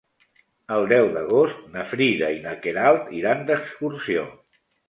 El deu d'agost na Frida i na Queralt iran d'excursió.